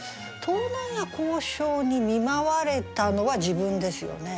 盗難や咬傷に見舞われたのは自分ですよね。